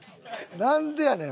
なんでやねん！